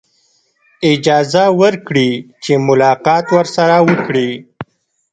اجازه ورکړي چې ملاقات ورسره وکړي.